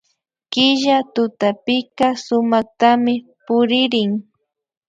Killa tutapika sumaktami puririn